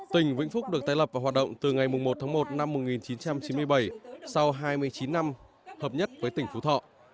tỉnh vĩnh phúc được tái lập và hoạt động từ ngày một tháng một năm một nghìn chín trăm chín mươi bảy sau hai mươi chín năm hợp nhất với tỉnh phú thọ